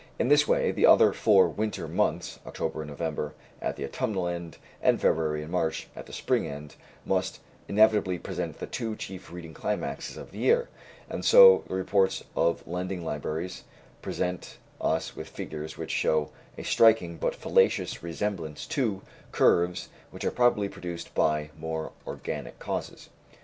In this way the other four winter months October and November at the autumnal end, and February and March at the spring end must inevitably present the two chief reading climaxes of the year; and so the reports of lending libraries present us with figures which show a striking, but fallacious, resemblance to the curves which are probably produced by more organic causes.